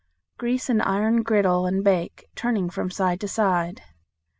Grease an iron griddle and bake, turning from side to side.